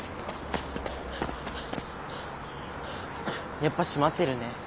やっぱ閉まってるね。